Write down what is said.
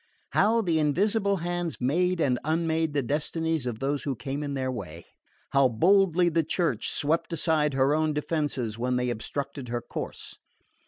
How the invisible hands made and unmade the destinies of those who came in their way! How boldly the Church swept aside her own defences when they obstructed her course!